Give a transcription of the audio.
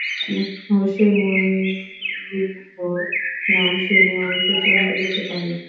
Jose মরিনহোর নাম শুনে অনেকে চমকে যেতে পারেন।